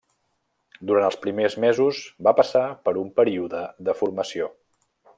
Durant els primers mesos va passar per un període de formació.